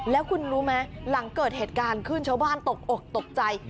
แล้วคุณรู้ไหมหลังเกิดเหตุการณ์ขึ้นชาวบ้านตกอกตกใจ